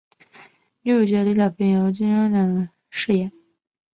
女主角李晓萍由金钟奖得主温贞菱饰演。